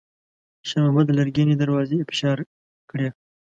شېرمحمد لرګينې دروازې فشار کړې.